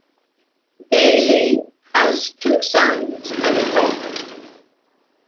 Bailey has two sons and a daughter.